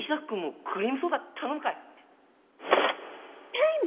タイム！